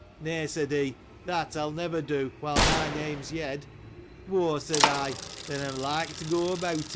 Nay, said he, that I will never do, while my name's Yed. Why, said I, then I'm like to go without.